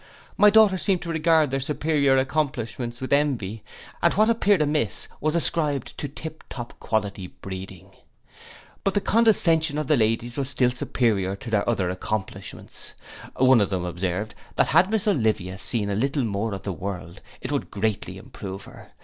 My daughters seemed to regard their superior accomplishments with envy; and what appeared amiss was ascribed to tip top quality breeding. But the condescension of the ladies was still superior to their other accomplishments. One of them observed, that had miss Olivia seen a little more of the world, it would greatly improve her.